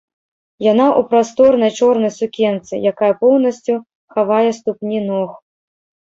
Яна ў прасторнай чорнай сукенцы, якая поўнасцю хавае ступні ног.